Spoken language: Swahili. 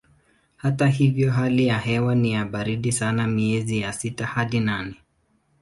Hata hivyo hali ya hewa ni ya baridi sana miezi ya sita hadi nane.